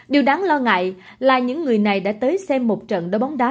điều đáng lo ngại là những người này đã tới xem một trận đấu bóng đá